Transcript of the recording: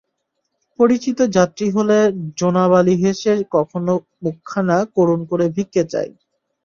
পরিচিত যাত্রী হলে জোনাব আলি হেসে কখনো মুখখানা করুণ করে ভিক্ষে চায়।